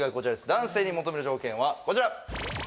男性に求める条件はこちら！